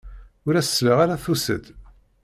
Ur as-sliɣ ara tusa-d.